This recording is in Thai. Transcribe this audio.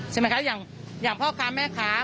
ใช่ไหมคะอย่างพ่อค้าแม่ค้า